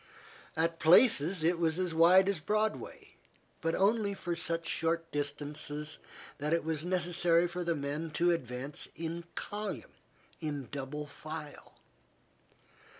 At places it was as wide as Broadway, but only for such short distances that it was necessary for the men to advance in column, in double file.